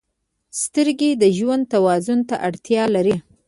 • سترګې د ژوند توازن ته اړتیا لري.